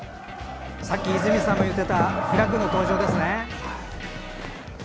さっき泉さんも言ってたフラッグの登場ですね。